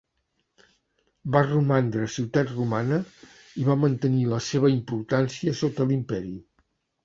Va romandre ciutat romana i va mantenir la seva importància sota l'Imperi.